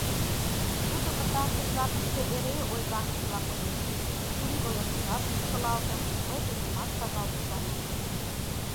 Тудо пытартыш жапыште эре ойганышыла коеш, чурийвылышыжат шупшылалтын, мый денемат шагал мутлана.